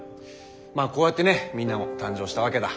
まあこうやってねみんなも誕生したわけだ。